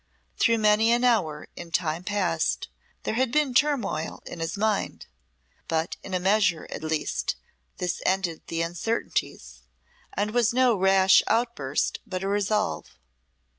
Through many an hour in time past there had been turmoil in his mind, but in a measure, at least, this ended the uncertainties, and was no rash outburst but a resolve.